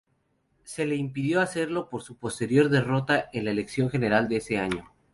Se le impidió hacerlo por su posterior derrota en elección general de ese año.